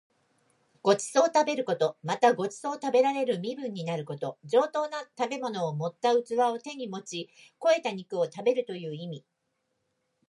ご馳走を食べること。また、ご馳走を食べられる身分になること。上等な食物を盛った器を手に持ち肥えた肉を食べるという意味。